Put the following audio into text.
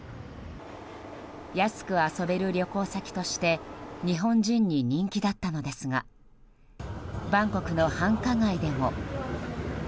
安く遊べる旅行先として日本人に人気だったのですがバンコクの繁華街でも。